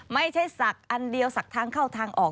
ไม่ใช่ศักดิ์อันเดียวศักดิ์ทางเข้าทางออก